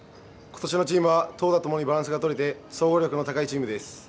今年のチームは投打ともにバランスが取れて総合力の高いチームです。